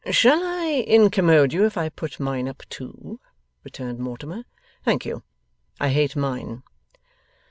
'Shall I incommode you, if I put mine up too?' returned Mortimer. 'Thank you. I hate mine.